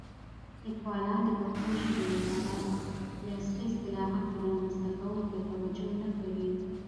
لیکوالان د پښتو ژبې لپاره د عصري اصطلاحاتو رامنځته کولو ته توجه نه کوي.